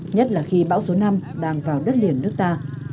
nhất là khi bão số năm đang vào đất liền nước ta